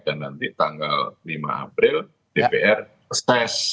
dan nanti tanggal lima april dpr reses